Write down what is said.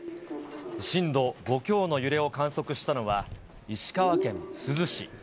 震度５強の揺れを観測したのは石川県珠洲市。